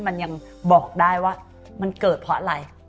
มันยังบอกได้ว่ามันเกิดเพราะอะไร